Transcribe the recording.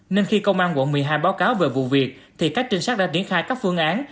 nên khi công an quận một mươi hai báo cáo về vụ việc thì các trinh sát đã tiến khai các phương án